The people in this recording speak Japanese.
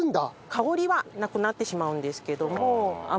香りはなくなってしまうんですけども。